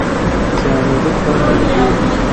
cyane ubwo twanyuraga iwe